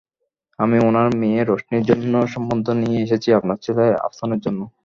আমি ওনার মেয়ে রশনির জন্য সম্বন্ধ নিয়ে এসেছি আপনার ছেলে আফসানের জন্য।